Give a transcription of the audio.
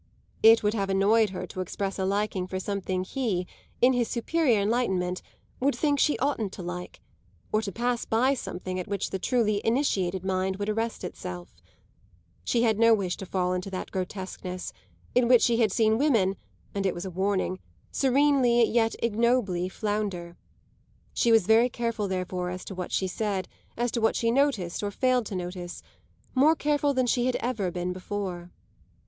It would have annoyed her to express a liking for something he, in his superior enlightenment, would think she oughtn't to like; or to pass by something at which the truly initiated mind would arrest itself. She had no wish to fall into that grotesqueness in which she had seen women (and it was a warning) serenely, yet ignobly, flounder. She was very careful therefore as to what she said, as to what she noticed or failed to notice; more careful than she had ever been before.